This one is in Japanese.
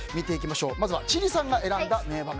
まずは千里さんが選んだ名場面。